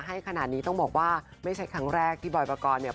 ให้ขนาดนี้ต้องบอกว่าไม่ใช่ครั้งแรกที่บอยปกรณ์เนี่ย